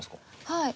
はい。